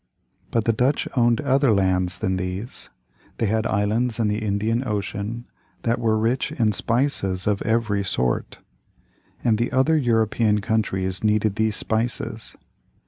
But the Dutch owned other lands than these. They had islands in the Indian Ocean that were rich in spices of every sort, and the other European countries needed these spices.